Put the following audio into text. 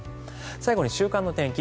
最後に週間の天気